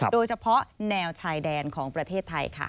โดยเฉพาะแนวชายแดนของประเทศไทยค่ะ